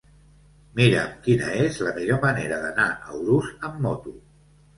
Mira'm quina és la millor manera d'anar a Urús amb moto.